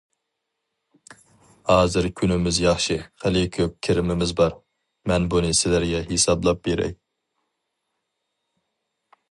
ھازىر كۈنىمىز ياخشى، خېلى كۆپ كىرىمىمىز بار، مەن بۇنى سىلەرگە ھېسابلاپ بېرەي.